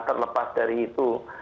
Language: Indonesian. terlepas dari itu